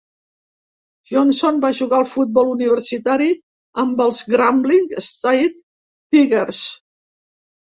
Johnson va jugar a futbol universitari amb els Grambling State Tigers.